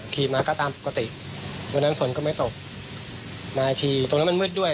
ขี่มาก็ตามปกติวันนั้นฝนก็ไม่ตกมาอีกทีตรงนั้นมันมืดด้วย